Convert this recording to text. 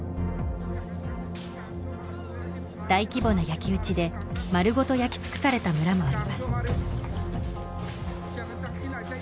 大規模な焼き打ちで丸ごと焼き尽くされた村もあります